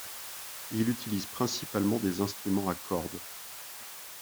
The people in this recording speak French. Il utilise principalement des instruments à corde.